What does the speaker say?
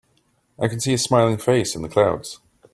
I can see a smiling face in the clouds.